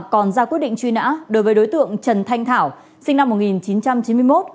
còn ra quyết định truy nã đối với đối tượng trần thanh thảo sinh năm một nghìn chín trăm chín mươi một